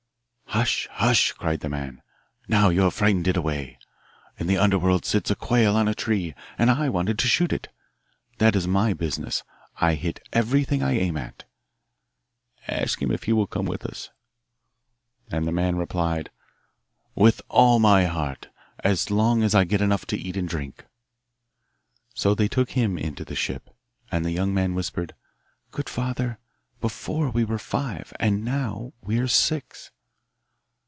'Hush, hush!' cried the man; 'now you have frightened it away. In the Underworld sits a quail on a tree, and I wanted to shoot it. That is my business. I hit everything I aim at.' 'Ask him if he will come with us.' And the man replied, 'With all my heart, as long as I get enough to eat and drink.' So they took him into the ship, and the young man whispered, 'Good father, before we were five, and now we are six.